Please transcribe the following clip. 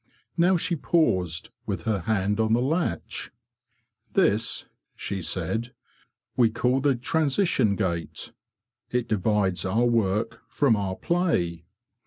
Now she paused, with her hand on the latch. '' This,'? she said, '' we call the Transition Gate. It divides our work from our play.